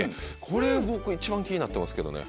これ僕一番気になってますけどね。